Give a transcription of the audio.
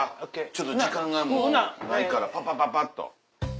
ちょっと時間がもうないからぱぱぱぱっと。